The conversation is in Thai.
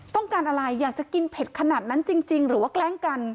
ต้องการอะไรอยากจะกินเผ็ดขนาดนั้นจริงหรือว่าแกล้งกัน